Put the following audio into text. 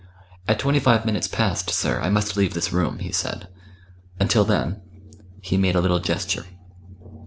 "At twenty five minutes past, sir, I must leave this room," he said. "Until then " he made a little gesture.